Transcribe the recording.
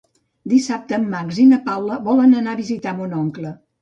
Dissabte en Max i na Paula volen anar a visitar mon oncle.